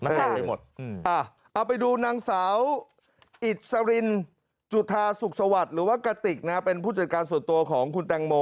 เอาไปดูนางสาวอิสรินจุธาสุขสวัสดิ์หรือว่ากระติกนะเป็นผู้จัดการส่วนตัวของคุณแตงโม